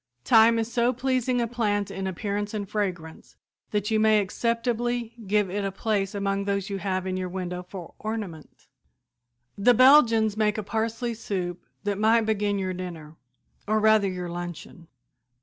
Thyme is so pleasing a plant in appearance and fragrance that you may acceptably give it a place among those you have in your window for ornament. [Illustration: Assortment of Favorite Weeders] "The Belgians make a parsley soup that might begin your dinner, or rather your luncheon.